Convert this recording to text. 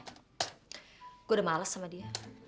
aku udah males sama dia